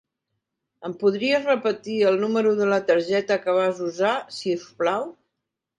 Em podries repetir el número de la targeta que vas usar, si us plau?